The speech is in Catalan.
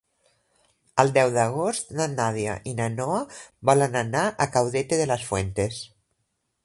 El deu d'agost na Nàdia i na Noa volen anar a Caudete de las Fuentes.